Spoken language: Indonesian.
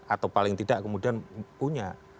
atau paling tidak kemudian punya